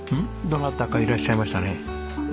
どなたかいらっしゃいましたね。